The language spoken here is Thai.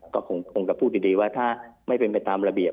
ก็คงจะพูดดีว่าถ้าไม่เป็นไปตามระเบียบ